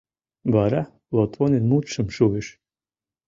Вара Лотвонен мутшым шуйыш: